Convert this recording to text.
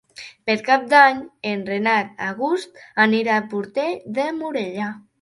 Per Cap d'Any en Renat August anirà a Portell de Morella.